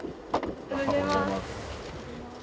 おはようございます。